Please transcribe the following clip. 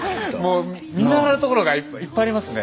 見習うところがいっぱいありますね。